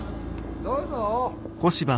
・どうぞ。